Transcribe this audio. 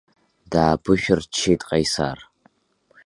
Дааԥышәырччеит Ҟаисар.